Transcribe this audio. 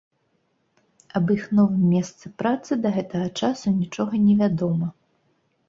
Аб іх новым месцы працы да гэтага часу нічога невядома.